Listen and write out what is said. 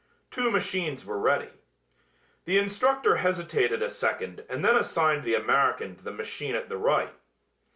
Two machines were ready. The instructor hesitated a second and then assigned the American to the machine at the right.